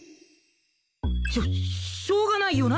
しょしょうがないよな！